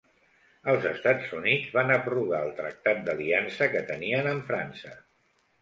Els Estats Units van abrogar el Tractat d'aliança que tenien amb França.